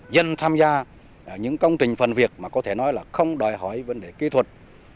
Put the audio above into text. dân tham gia những công trình phần việc mà có thể nói là không đòi hỏi vấn đề kỹ thuật